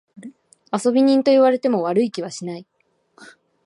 遊び人と言われても悪い気はしない。